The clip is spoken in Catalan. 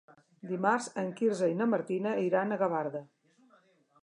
Dimarts en Quirze i na Martina iran a Gavarda.